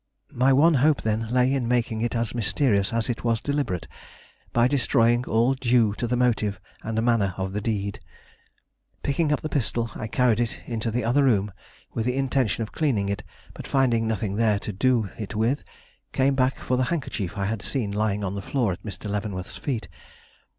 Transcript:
My one hope, then, lay in making it as mysterious as it was deliberate, by destroying all clue to the motive and manner of the deed. Picking up the pistol, I carried it into the other room with the intention of cleaning it, but finding nothing there to do it with, came back for the handkerchief I had seen lying on the floor at Mr. Leavenworth's feet.